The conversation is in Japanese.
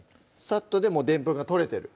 さっとでもうでんぷんが取れてる？